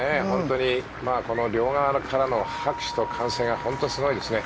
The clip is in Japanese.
この両側からの拍手と歓声が本当にすごいですね。